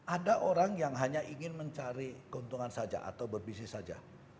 ada orang yang hanya ingin mencari keuntungan saja atau berbisnis saja